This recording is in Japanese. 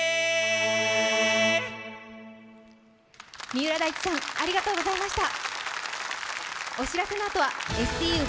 三浦大知さんありがとうございました。